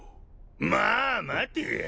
まあ待てや。